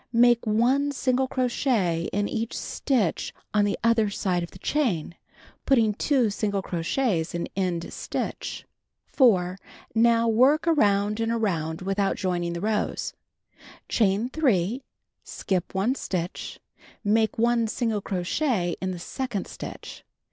Make 1 single crochet in each stitch on the other side of the chain, putting 2 single crochets in end stitch. The Magic Paper 243 4. Now work around and around without joining the rows. Chain 3, skip 1 stitch, make 1 single crochet in the second stitch.